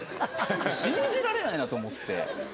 信じられないなと思って。